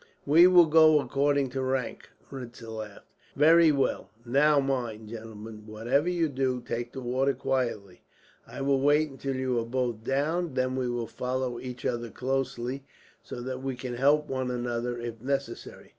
"We will go according to rank," Ritzer laughed. "Very well. Now mind, gentlemen, whatever you do, take the water quietly. I will wait until you are both down, then we will follow each other closely, so that we can help one another if necessary.